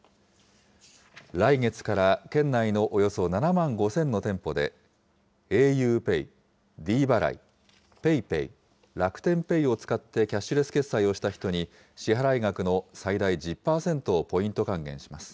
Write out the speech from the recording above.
来月から県内のおよそ７万５０００の店舗で、ａｕＰＡＹ、ｄ払い、ＰａｙＰａｙ、楽天ペイを使ってキャッシュレス決済をした人に、支払い額の最大１０％をポイント還元します。